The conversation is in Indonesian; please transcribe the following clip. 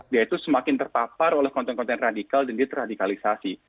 dia itu semakin terpapar oleh konten konten radikal dan dia terradikalisasi